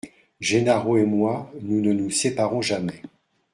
Gennaro et moi nous ne nous séparons jamais.